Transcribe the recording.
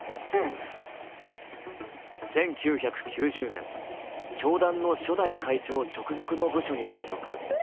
１９９０年、教団の初代会長直属の部署に所属。